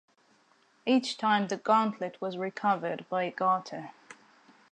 Each time the gauntlet was recovered by Garter.